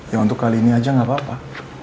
ya untuk kali ini aja nggak apa apa